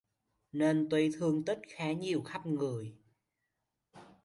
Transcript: Nên tuy thương tích khá nhiều khắp người